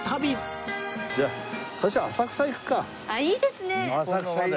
いいですね。